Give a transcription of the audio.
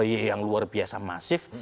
gerakan ahy yang luar biasa masif